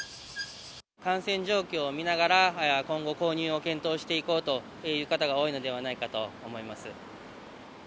感染状況を見ながら、今後、購入を検討していこうという方が多いのではないかと思います。